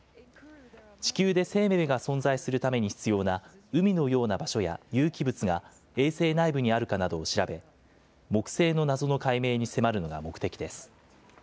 地球で生命が存在するために必要な海のような場所や有機物が衛星内部にあるかなどを調べ、木星の謎の解明に迫るのが目的です。